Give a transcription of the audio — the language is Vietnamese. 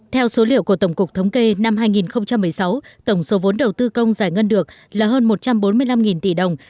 theo số liệu của tổng cục thống kê năm hai nghìn một mươi sáu tổng số vốn đầu tư công giải ngân được là hơn một trăm bốn mươi năm tỷ đồng